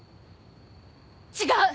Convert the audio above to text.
違う！